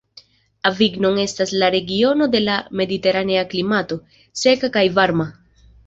Avignon estas en la regiono de la mediteranea klimato, seka kaj varma.